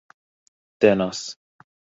tenas